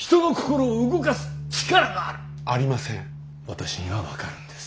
私には分かるんです。